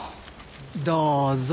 どうぞ。